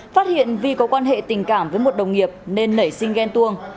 phát hiện vi có quan hệ tình cảm với một đồng nghiệp nên nảy sinh ghen tuông